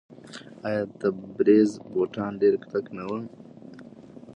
آیا د تبریز بوټان ډیر کلک نه دي؟